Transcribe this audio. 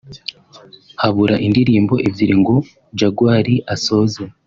Habura indirimbo ebyiri ngo Jaguar asoze